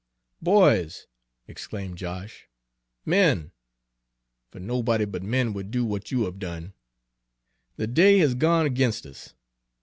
"Boys!" exclaimed Josh, "men! fer nobody but men would do w'at you have done, the day has gone 'g'inst us.